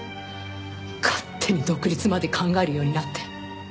勝手に独立まで考えるようになって。